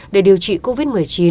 để điều trị covid một mươi chín